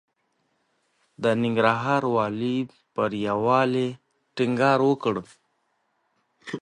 د ننګرهار والي پر يووالي ټينګار وکړ.